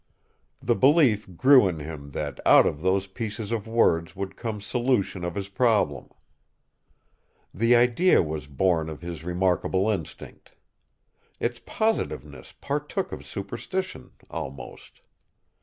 The belief grew in him that out of those pieces of words would come solution of his problem. The idea was born of his remarkable instinct. Its positiveness partook of superstition almost.